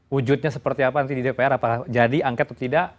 wujudnya seperti apa nanti di dpr apakah jadi angket atau tidak